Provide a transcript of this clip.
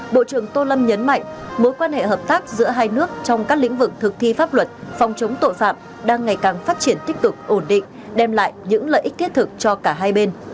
bộ trưởng tô lâm nhấn mạnh mối quan hệ hợp tác giữa hai nước trong các lĩnh vực thực thi pháp luật phòng chống tội phạm đang ngày càng phát triển tích cực ổn định đem lại những lợi ích thiết thực cho cả hai bên